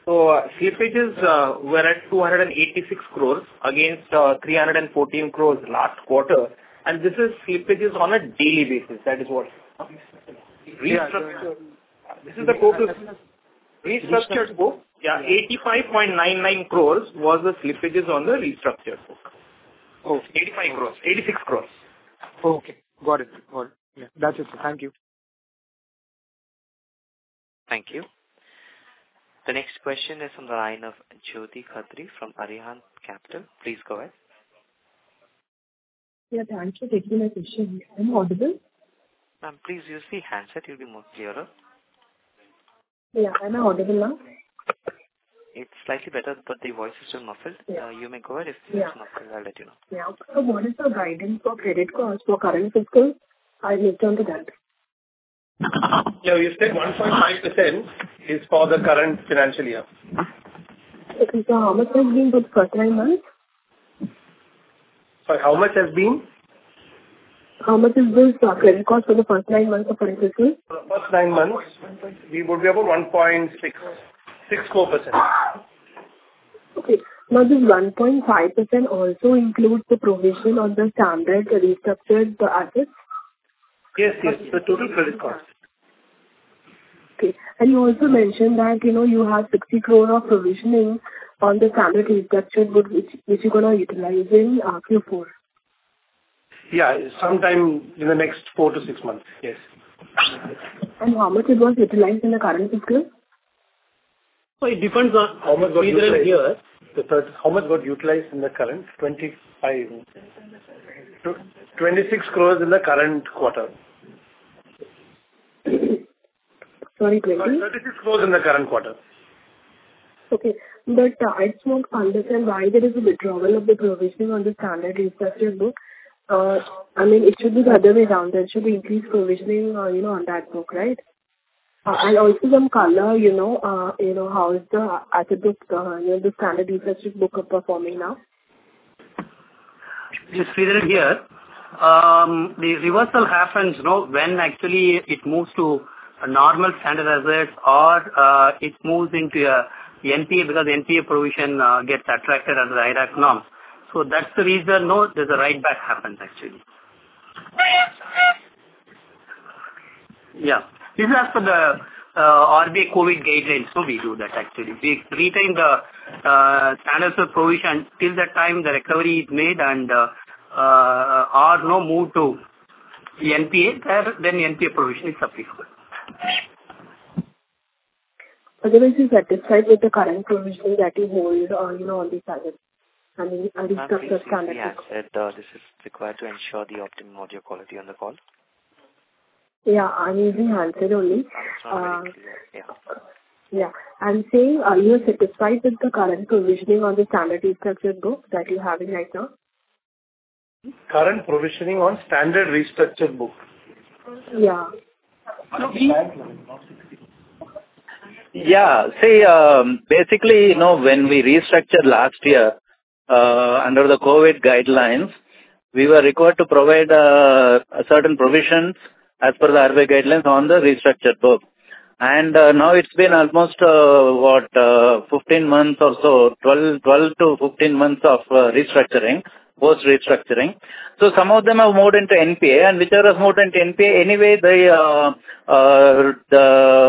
So slippages were at 286 crores against 314 crores last quarter. And this is slippages on a daily basis. That is what. Restructured. Restructured. This is the total restructured book. Yeah. 85.99 crore was the slippages on the restructured book. 85 crore, 86 crore. Okay. Got it. Got it. Yeah. That's it, sir. Thank you. Thank you. The next question is from the line of Jyoti Khatri from Arihant Capital. Please go ahead. Yeah. Thank you for taking my question. I'm audible? Ma'am, please use the handset. You'll be clearer. Yeah. Am I audible now? It's slightly better, but the voice is still muffled. You may go ahead. If it's muffled, I'll let you know. Yeah. So what is the guidance for credit cost for current fiscal? I've moved on to that. No. You said 1.5% is for the current financial year. Okay. So how much has been for the first nine months? Sorry. How much has been? How much is this credit cost for the first nine months of current fiscal? For the first nine months, we would be about 1.64%. Okay. Now, does 1.5% also include the provision on the standard restructured assets? Yes. Yes. The total credit cost. Okay. And you also mentioned that you have 60 crore of provisioning on the standard restructured book, which you're going to utilize in Q4. Yeah. Sometime in the next 4-6 months. Yes. How much it was utilized in the current fiscal? It depends on either here. How much got utilized in the current? 26 crore in the current quarter. Sorry. 20? 36 crore in the current quarter. Okay. But I don't understand why there is a withdrawal of the provisioning on the standard restructured book. I mean, it should be the other way around. There should be increased provisioning on that book, right? And also some color. How is the asset book, the standard restructured book, performing now? You see that here. The reversal happens when actually it moves to normal standard assets or it moves into the NPA because NPA provision gets attracted under IRAC norms. So that's the reason there's a write-back happens, actually. Yeah. This is as per the RBI COVID guidelines. So we do that, actually. We retain the standards of provision until that time the recovery is made and are no move to the NPA. Then the NPA provision is sufficient. Otherwise, you're satisfied with the current provision that you hold on the, I mean, restructured standard book? Yes. This is required to ensure the optimum audio quality on the call. Yeah. I'm using handset only. That's not very easy. Yeah. Yeah. I'm saying, are you satisfied with the current provisioning on the standard restructured book that you're having right now? Current provisioning on standard restructured book? Yeah. Yeah. See, basically, when we restructured last year under the COVID guidelines, we were required to provide certain provisions as per the RBI guidelines on the restructured book. And now, it's been almost what, 15 months or so, 12-15 months of post-restructuring. So some of them have moved into NPA. And whichever has moved into NPA, anyway, the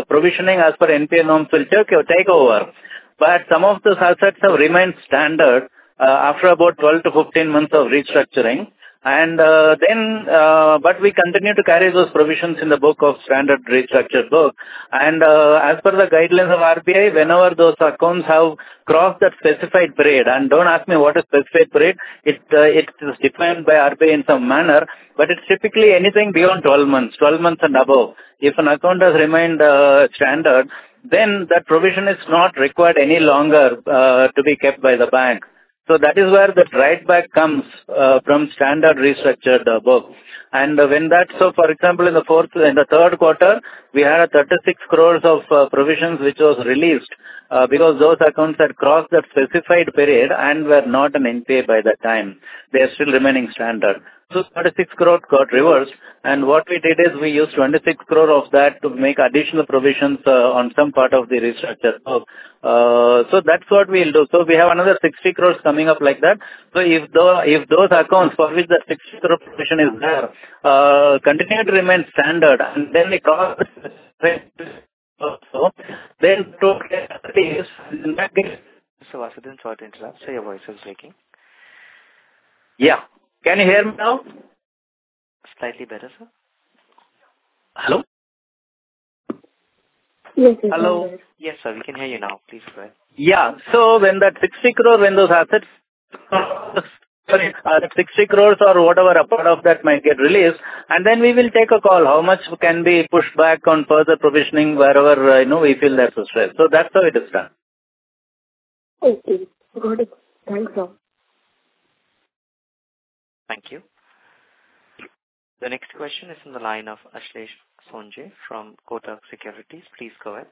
provisioning as per NPA norms will take over. But some of those assets have remained standard after about 12-15 months of restructuring. But we continue to carry those provisions in the book of standard restructured book. And as per the guidelines of RBI, whenever those accounts have crossed that specified period and don't ask me what a specified period. It is defined by RBI in some manner, but it's typically anything beyond 12 months, 12 months and above. If an account has remained standard, then that provision is not required any longer to be kept by the bank. So that is where the write-back comes from standard restructured book. And when that so for example, in the third quarter, we had 36 crore of provisions which was released because those accounts had crossed that specified period and were not an NPA by that time. They are still remaining standard. So 36 crore got reversed. And what we did is we used 26 crore of that to make additional provisions on some part of the restructured book. So that's what we'll do. So we have another 60 crore coming up like that. So if those accounts for which that 60 crore provision is there continue to remain standard and then they cross the specified period also, then to create at least. Mr. Vasu, sorry to interrupt. See, your voice is breaking. Yeah. Can you hear me now? Slightly better, sir. Hello? Yes, sir. Hello? Yes, sir. We can hear you now. Please go ahead. Yeah. So when that 60 crore, when those assets, sorry. That 60 crores or whatever, a part of that might get released. And then we will take a call how much can be pushed back on further provisioning wherever we feel there's a stress. So that's how it is done. Okay. Got it. Thanks, sir. Thank you. The next question is from the line of Ashlesh Sonje from Kotak Securities. Please go ahead.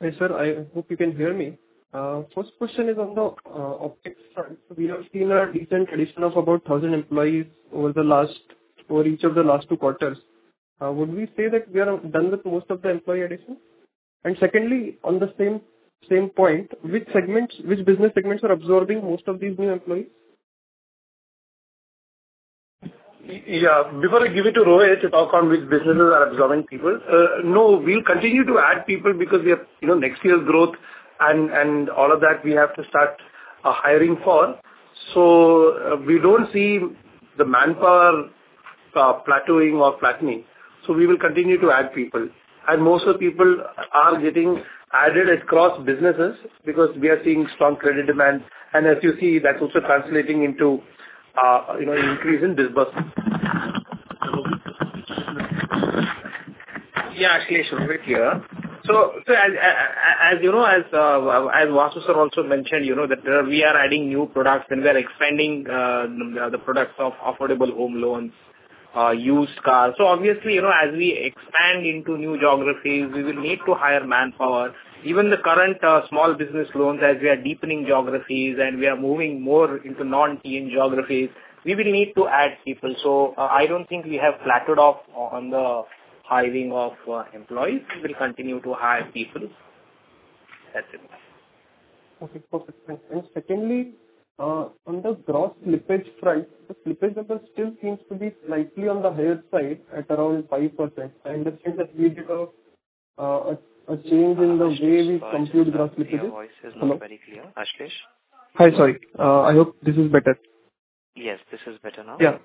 Hey, sir. I hope you can hear me. First question is on the optics side. So we have seen a decent addition of about 1,000 employees over each of the last two quarters. Would we say that we are done with most of the employee addition? And secondly, on the same point, which business segments are absorbing most of these new employees? Yeah. Before I give it to Rohit to talk on which businesses are absorbing people, no, we'll continue to add people because we have next year's growth and all of that we have to start hiring for. So we don't see the manpower plateauing or flattening. So we will continue to add people. And most of the people are getting added across businesses because we are seeing strong credit demand. And as you see, that's also translating into an increase in disbursement. Yeah. Ashlesh, Rohit here. So as Vasu sir also mentioned, we are adding new products, and we are expanding the products of affordable home loans, used cars. So obviously, as we expand into new geographies, we will need to hire manpower. Even the current small business loans, as we are deepening geographies and we are moving more into non-TN geographies, we will need to add people. So I don't think we have plateaued off on the hiring of employees. We will continue to hire people. That's it. Okay. Perfect. Thanks. Secondly, on the gross slippage front, the slippage number still seems to be slightly on the higher side at around 5%. I understand that we did a change in the way we compute gross slippages. Your voice is not very clear, Ashlesh. Hi. Sorry. I hope this is better. Yes. This is better now. Yeah.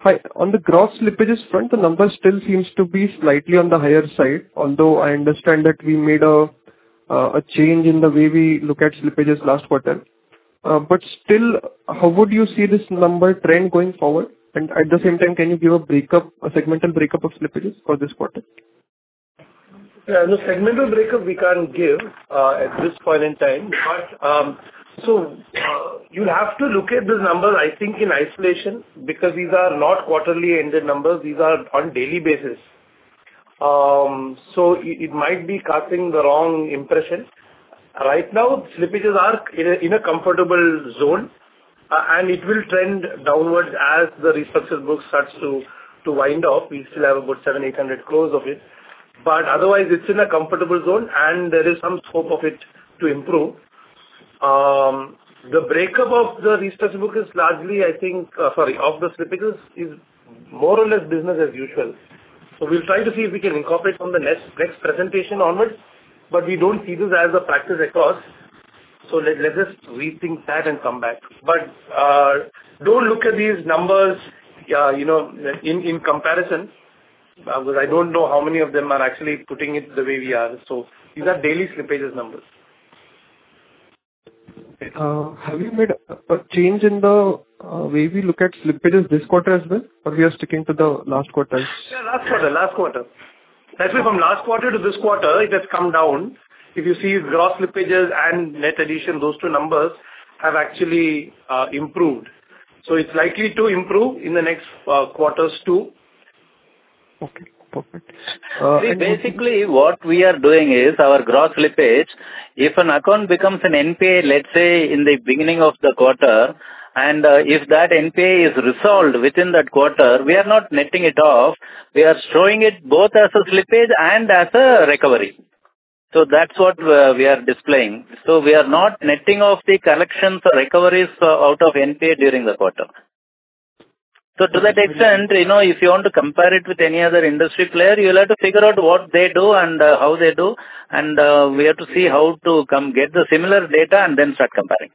Hi. On the gross slippages front, the number still seems to be slightly on the higher side, although I understand that we made a change in the way we look at slippages last quarter. But still, how would you see this number trend going forward? And at the same time, can you give a segmental breakup of slippages for this quarter? Yeah. No segmental breakup we can't give at this point in time. So you'll have to look at these numbers, I think, in isolation because these are not quarterly-ended numbers. These are on a daily basis. So it might be casting the wrong impression. Right now, slippages are in a comfortable zone, and it will trend downwards as the restructured book starts to wind off. We still have about 700-800 crore of it. But otherwise, it's in a comfortable zone, and there is some scope of it to improve. The breakup of the restructured book is largely, I think, sorry, of the slippages is more or less business as usual. So we'll try to see if we can incorporate from the next presentation onwards. But we don't see this as a practice across. So let us rethink that and come back. But don't look at these numbers in comparison because I don't know how many of them are actually putting it the way we are. So these are daily slippages numbers. Have you made a change in the way we look at slippages this quarter as well, or we are sticking to the last quarter? Yeah. Last quarter. Last quarter. That way, from last quarter to this quarter, it has come down. If you see gross slippages and net addition, those two numbers have actually improved. So it's likely to improve in the next quarters too. Okay. Perfect. See, basically, what we are doing is our gross slippage, if an account becomes an NPA, let's say, in the beginning of the quarter, and if that NPA is resolved within that quarter, we are not netting it off. We are showing it both as a slippage and as a recovery. So that's what we are displaying. So we are not netting off the collections or recoveries out of NPA during the quarter. So to that extent, if you want to compare it with any other industry player, you'll have to figure out what they do and how they do. And we have to see how to come get the similar data and then start comparing.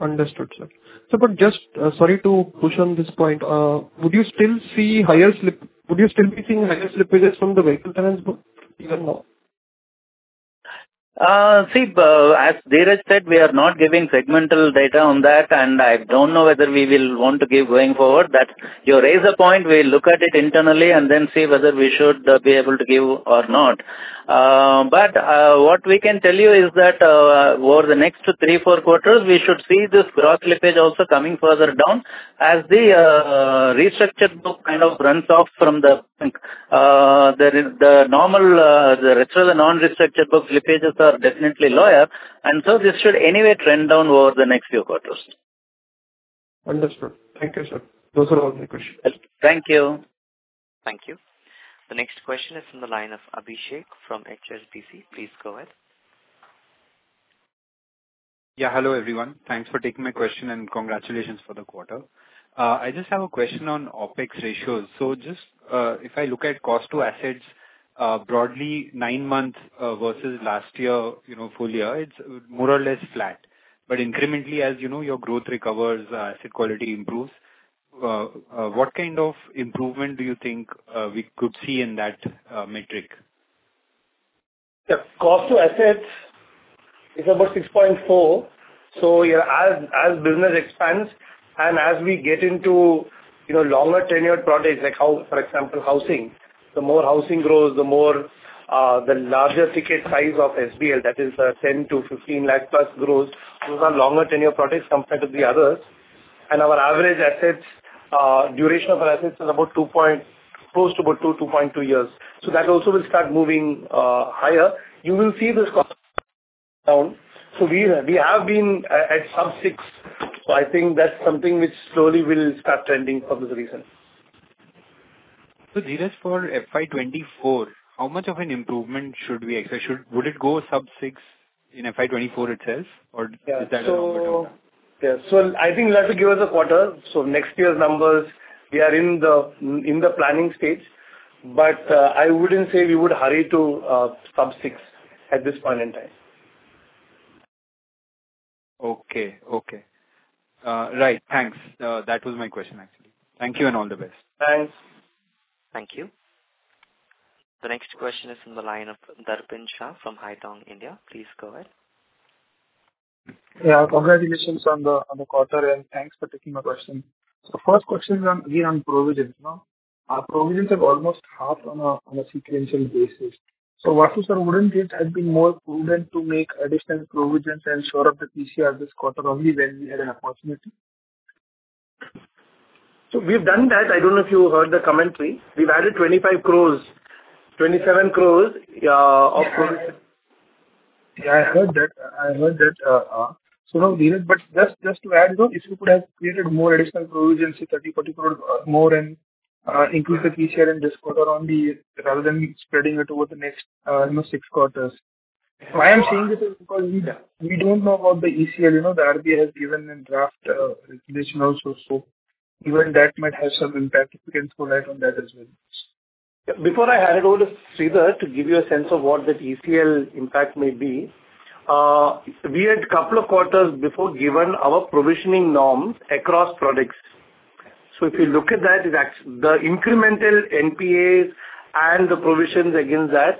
Understood, sir. So but, just sorry to push on this point. Would you still see higher slip? See, as Dheeraj said, we are not giving segmental data on that, and I don't know whether we will want to give going forward. You raise a point. We'll look at it internally and then see whether we should be able to give or not. But what we can tell you is that over the next three-four quarters, we should see this gross slippage also coming further down as the restructured book kind of runs off from the normal the restriction of the non-restructured book slippages are definitely lower. And so this should anyway trend down over the next few quarters. Understood. Thank you, sir. Those are all my questions. Thank you. Thank you. The next question is from the line of Abhishek from HSBC. Please go ahead. Yeah. Hello, everyone. Thanks for taking my question, and congratulations for the quarter. I just have a question on opex ratios. So just if I look at cost-to-assets broadly, nine months versus last year full year, it's more or less flat. But incrementally, as your growth recovers, asset quality improves, what kind of improvement do you think we could see in that metric? Yeah. Cost to assets is about 6.4%. So as business expands and as we get into longer-tenured projects like, for example, housing, the more housing grows, the larger ticket size of SBL, that is 10-15 lakh plus grows, those are longer-tenure projects compared to the others. And our average assets duration of our assets is close to about two-point-two years. So that also will start moving higher. You will see this cost down. So we have been at sub-6%. So I think that's something which slowly will start trending for this reason. So, Dheeraj, for FY 2024, how much of an improvement should we? Would it go sub-6 in FY 2024 itself, or is that a longer time? Yeah. So I think you'll have to give us a quarter. So next year's numbers, we are in the planning stage. But I wouldn't say we would hurry to sub-6 at this point in time. Okay. Okay. Right. Thanks. That was my question, actually. Thank you and all the best. Thanks. Thank you. The next question is from the line of Darpin Shah from Haitong India. Please go ahead. Yeah. Congratulations on the quarter, and thanks for taking my question. So first question is again on provisions. Our provisions are almost half on a sequential basis. So Vasu sir, wouldn't it have been more prudent to make additional provisions and shore up the PCR this quarter only when we had an opportunity? We've done that. I don't know if you heard the commentary. We've added 27 crore of provisions. Yeah. I heard that. I heard that. So no, Dheeraj, but just to add, if we could have created more additional provisions, say 30 crore, 40 crore more, and increase the PCR in this quarter rather than spreading it over the next six quarters. So I am saying this because we don't know about the ECL. The RBI has given a draft regulation also. So even that might have some impact. We can score that on that as well. Yeah. Before I hand it over to Sridhar to give you a sense of what that ECL impact may be, we had a couple of quarters before given our provisioning norms across products. So if you look at that, the incremental NPAs and the provisions against that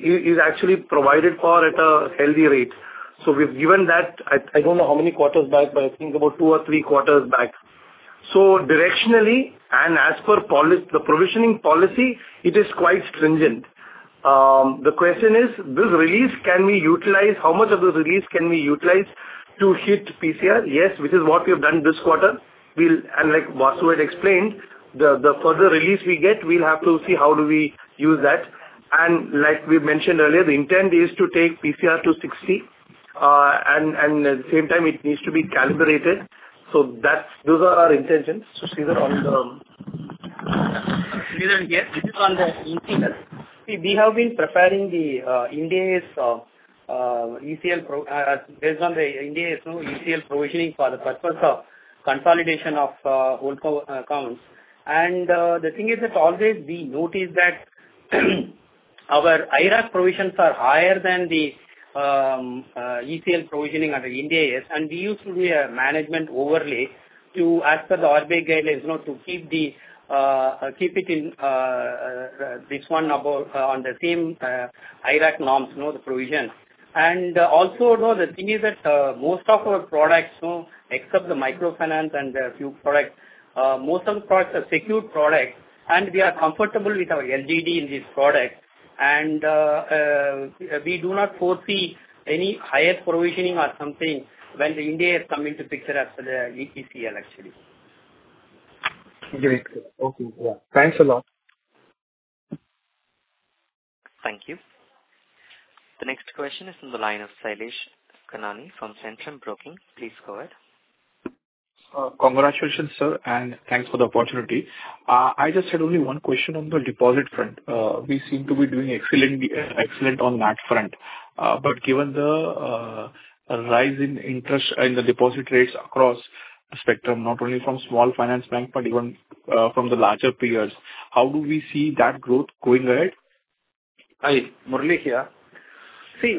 is actually provided for at a healthy rate. So we've given that I don't know how many quarters back, but I think about two or three quarters back. So directionally and as per the provisioning policy, it is quite stringent. The question is, this release, can we utilize how much of this release can we utilize to hit PCR? Yes, which is what we have done this quarter. And like Vasu had explained, the further release we get, we'll have to see how do we use that. And like we mentioned earlier, the intent is to take PCR to 60. And at the same time, it needs to be calibrated. So those are our intentions. So, Sridhar on the ECL. Sridhar here. This is on the ECL. See, we have been preparing Ind AS ECL based on the Ind AS ECL provisioning for the purpose of consolidation of old accounts. And the thing is that always we noticed that our IRAC provisions are higher than the ECL provisioning under Ind AS. And we used to do a management overlay to ask for the RBI guidelines to keep it in this one on the same IRAC norms, the provision. And also, the thing is that most of our products, except the microfinance and a few products, most of the products are secured products. And we are comfortable with our LGD in these products. And we do not foresee any higher provisioning or something when the Ind AS has come into picture after the ECL, actually. Great. Okay. Yeah. Thanks a lot. Thank you. The next question is from the line of Shailesh Kanani from Centrum Broking. Please go ahead. Congratulations, sir, and thanks for the opportunity. I just had only one question on the deposit front. We seem to be doing excellent on that front. But given the rise in interest and the deposit rates across the spectrum, not only from small finance banks but even from the larger peers, how do we see that growth going ahead? Hi. Murali here. See,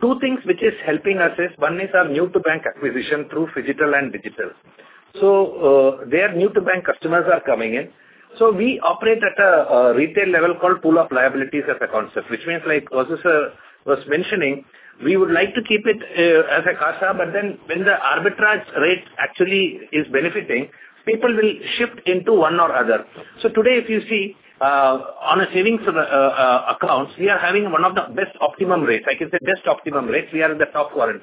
two things which is helping us is one is our new-to-bank acquisition through phygital and digital. So there are new-to-bank customers are coming in. So we operate at a retail level called pull-up liabilities as a concept, which means, like Vasu sir was mentioning, we would like to keep it as a CASA. But then when the arbitrage rate actually is benefiting, people will shift into one or other. So today, if you see on a savings account, we are having one of the best optimum rates. I can say best optimum rates. We are in the top quartile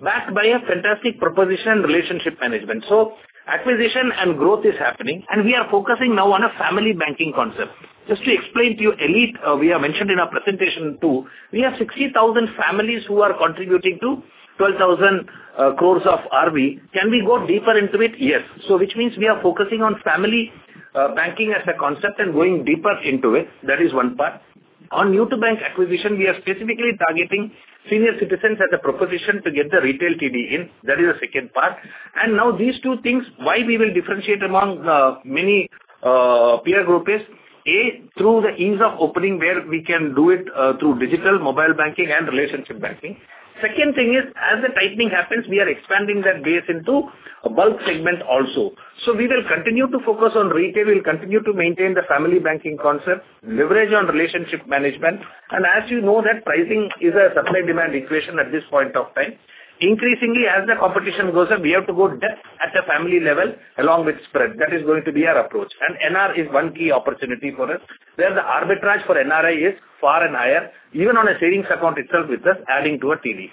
backed by a fantastic proposition and relationship management. So acquisition and growth is happening, and we are focusing now on a family banking concept. Just to explain to you, Elite, we have mentioned in our presentation too, we have 60,000 families who are contributing to 12,000 crore of RB. Can we go deeper into it? Yes. So which means we are focusing on family banking as a concept and going deeper into it. That is one part. On new-to-bank acquisition, we are specifically targeting senior citizens as a proposition to get the retail TD in. That is a second part. And now these two things, why we will differentiate among many peer group is, A, through the ease of opening where we can do it through digital, mobile banking, and relationship banking. Second thing is, as the tightening happens, we are expanding that base into a bulk segment also. So we will continue to focus on retail. We'll continue to maintain the family banking concept, leverage on relationship management. As you know, that pricing is a supply-demand equation at this point of time. Increasingly, as the competition goes up, we have to go depth at the family level along with spread. That is going to be our approach. NR is one key opportunity for us. Where the arbitrage for NRI is far and higher, even on a savings account itself with us, adding to a TD.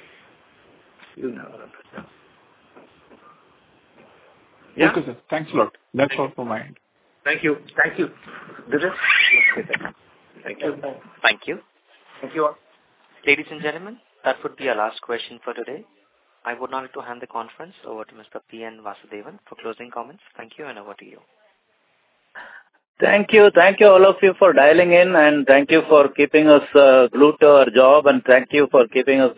Thank you, sir. Thanks a lot. That's all from my end. Thank you. Thank you. Dheeraj, let's take a break. Thank you. Thank you. Thank you all. Ladies and gentlemen, that would be our last question for today. I would now like to hand the conference over to Mr. P. N. Vasudevan for closing comments. Thank you, and over to you. Thank you. Thank you all of you for dialing in, and thank you for keeping us glued to our job. Thank you for keeping us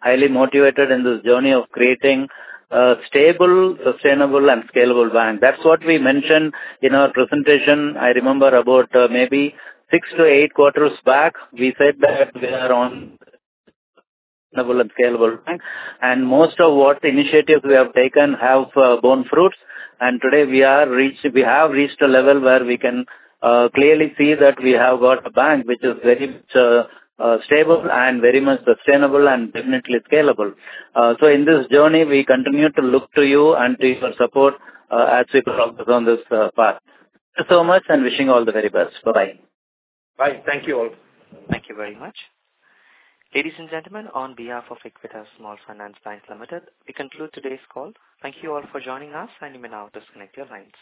highly motivated in this journey of creating a stable, sustainable, and scalable bank. That's what we mentioned in our presentation. I remember about maybe 6-8 quarters back, we said that we are on a sustainable and scalable bank. Most of what initiatives we have taken have borne fruits. Today, we have reached a level where we can clearly see that we have got a bank which is very stable and very much sustainable and definitely scalable. In this journey, we continue to look to you and to your support as we progress on this path. Thank you so much and wishing all the very best. Bye-bye. Bye. Thank you all. Thank you very much. Ladies and gentlemen, on behalf of Equitas Small Finance Bank Limited, we conclude today's call. Thank you all for joining us, and you may now disconnect your lines.